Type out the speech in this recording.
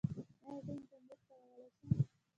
ایا زه انټرنیټ کارولی شم؟